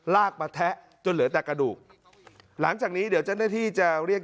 ลากมาแทะจนเหลือแต่กระดูกหลังจากนี้เดี๋ยวเจ้าหน้าที่จะเรียก